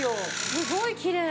すごいきれい。